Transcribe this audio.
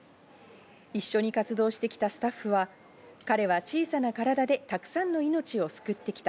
一緒に活動してきたスタッフは、彼は小さな体でたくさんの命を救ってきた。